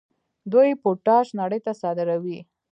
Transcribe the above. دوی پوټاش نړۍ ته صادروي.